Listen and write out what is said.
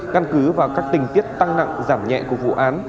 căn cứ vào các tình tiết tăng nặng giảm nhẹ của vụ án